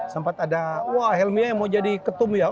sempat ada wah helmy aja mau jadi ketum ya